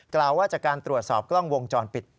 กล่าวว่าจากการตรวจสอบกล้องวงจรปิด